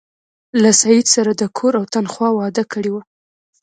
له سید سره د کور او تنخوا وعده کړې وه.